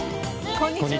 こんにちは。